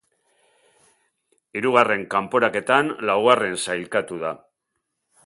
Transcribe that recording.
Hirugarren kanporaketan laugarren sailkatu da.